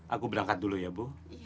aku berangkat dulu ya bu